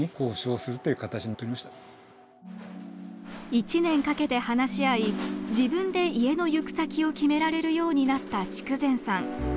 １年かけて話し合い自分で家の行く先を決められるようになった筑前さん。